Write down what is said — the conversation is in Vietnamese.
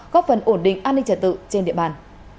góp phần ổn định an ninh trả tự trên địa bàn